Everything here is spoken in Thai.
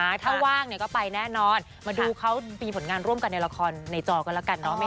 ถ้าว่างเนี่ยก็ไปแน่นอนมาดูเขามีผลงานร่วมกันในละครในจอกันแล้วกันเนาะ